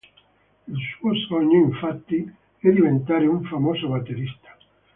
Il suo sogno, infatti, è diventare un famoso batterista.